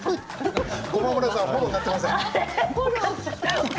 駒村さんフォローになっていません。